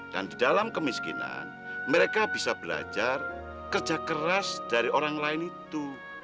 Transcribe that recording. dan di dalam kemiskinan mereka bisa belajar kerja keras dari orang lain itu